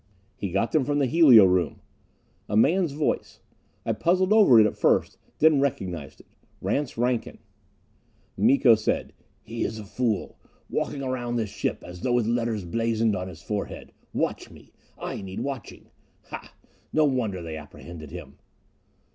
"He got them from the helio room." A man's voice; I puzzled over it at first, then recognized it. Rance Rankin. Miko said, "He is a fool. Walking around this ship as though with letters blazoned on his forehead 'Watch me I need watching ' Hah! No wonder they apprehended him!"